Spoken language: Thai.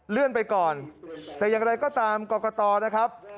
เลื่อนไปก่อนแต่อย่างไรก็ตามกรกตนะครับ